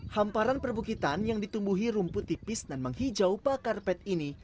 hamparan perbukitan yang ditumbuhi rumput tipis dan menghijau pakar pet ini